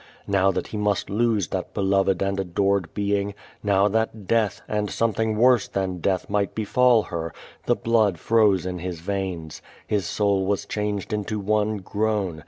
Now that he must lose that beloved and adore<l being — nmv that death, and some thing worse than death, might befall her — the blood froze in his veins. His soul was changed into one groan.